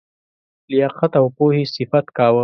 لیاقت او پوهي صفت کاوه.